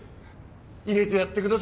入れてやってください。